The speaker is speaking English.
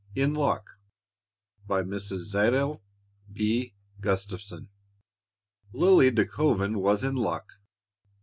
] IN LUCK. BY MRS. ZADEL B. GUSTAFSON. Lily De Koven was in luck.